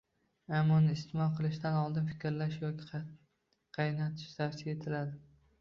Ammo uni iste’mol qilishdan oldin filtrlash yoki qaynatish tavsiya etiladi.